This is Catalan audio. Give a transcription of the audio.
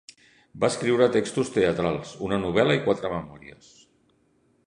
Va escriure textos teatrals, una novel·la i quatre memòries.